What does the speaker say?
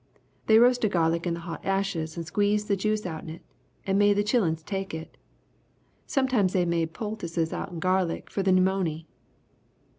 They roasted the garlic in the hot ashes and squez the juice outen it and made the chilluns take it. Sometimes they made poultices outen garlic for the pneumony.